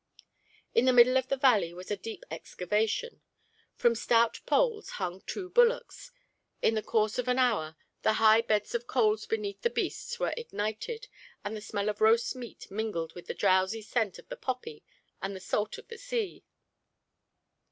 In the middle of the valley was a deep excavation. From stout poles hung two bullocks. In the course of an hour, the high beds of coals beneath the beasts were ignited, and the smell of roast meat mingled with the drowsy scent of the poppy and the salt of the sea.